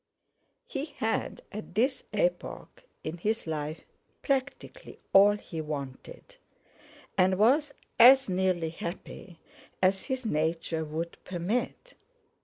He had at this epoch in his life practically all he wanted, and was as nearly happy as his nature would permit.